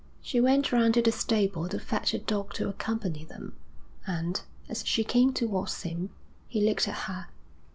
She went round to the stable to fetch a dog to accompany them, and, as she came towards him, he looked at her.